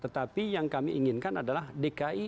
tetapi yang kami inginkan adalah dki